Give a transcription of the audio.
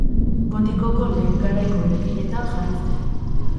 Gotikoko lehen garaiko eraikinetan jarri zen.